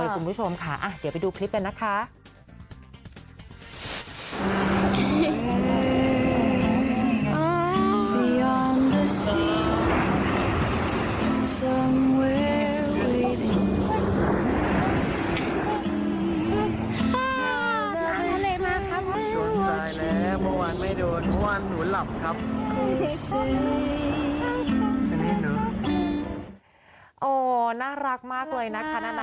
คุณผู้ชมค่ะเดี๋ยวไปดูคลิปกันนะคะ